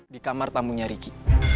di kamar tamunya riki